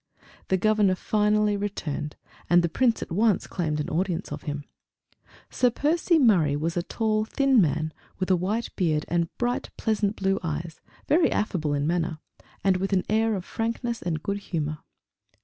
The Governor finally returned, and the Prince at once claimed an audience of him. Sir Percy Murray was a tall, thin man, with a white beard and bright, pleasant, blue eyes very affable in manner, and with an air of frankness and good humour.